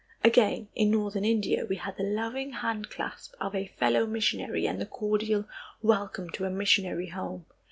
Again in northern India we had the loving handclasp of a fellow missionary and the cordial welcome to a missionary home.